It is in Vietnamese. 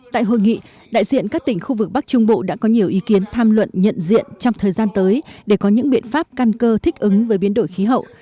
tại hội nghị đại diện các tỉnh khu vực bắc trung bộ đã có nhiều ý kiến tham luận nhận diện trong thời gian tới để có những biện pháp căn cơ thích ứng với biến đổi khí hậu